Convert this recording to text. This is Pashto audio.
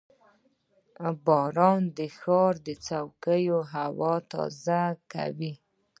• باران د ښاري کوڅو هوا تازه کوي.